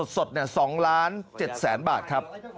สด๒ล้าน๗แสนบาทครับ